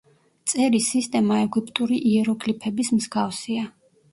წერის სისტემა ეგვიპტური იეროგლიფების მსგავსია.